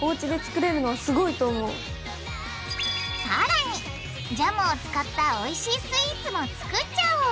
さらにジャムを使ったおいしいスイーツも作っちゃおう！